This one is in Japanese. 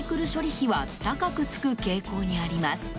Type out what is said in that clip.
費は高くつく傾向にあります。